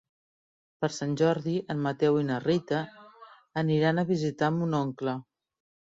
Per Sant Jordi en Mateu i na Rita aniran a visitar mon oncle.